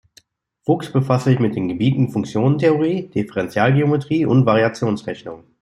Fuchs befasste sich mit den Gebieten Funktionentheorie, Differentialgeometrie und Variationsrechnung.